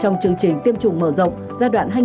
trong chương trình tiêm chủng mở rộng